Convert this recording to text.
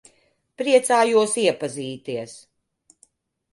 Priecājos iepazīties.